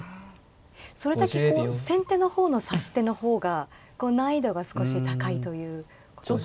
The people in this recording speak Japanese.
それだけ先手の方の指し手の方が難易度が少し高いということなんですか。